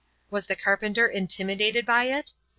Was the carpenter intimidated by it?